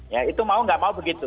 ya itu mau nggak mau begitu